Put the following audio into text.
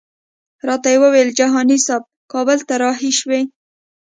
راته ویې ویل جهاني صاحب کابل ته رهي شوی.